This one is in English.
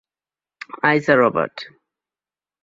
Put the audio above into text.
Eyes are ovate.